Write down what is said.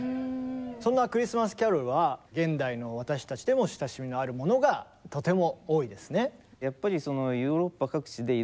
そんな「クリスマスキャロル」は現代の私たちでも親しみのあるものがとても多いですね。